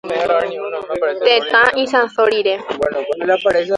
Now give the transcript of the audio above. Tetã isãso rire.